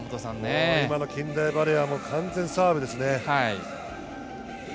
今の近代バレーは完全にサーブですね。